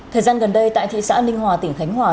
thời gian gần đây tại thị xã ninh hòa tỉnh khánh hòa